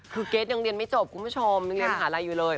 คือเกรทยังเรียนไม่จบคุณผู้ชมยังเรียนมหาลัยอยู่เลย